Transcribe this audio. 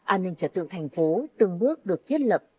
an ninh trật tự thành phố từng bước được thiết lập